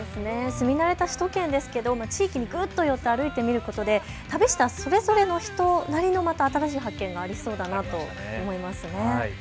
住み慣れた首都圏ですけど地域にぐっと寄って歩いてみることで旅したそれぞれの人なりの新たな発見がありそうですね。